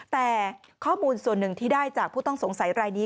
แต่ข้อมูลส่วนหนึ่งที่ได้จากผู้ต้องสงสัยรายนี้